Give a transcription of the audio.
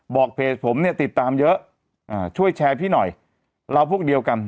เพจผมเนี่ยติดตามเยอะอ่าช่วยแชร์พี่หน่อยเราพวกเดียวกัน